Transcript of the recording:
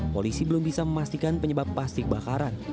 polisi belum bisa memastikan penyebab pasti kebakaran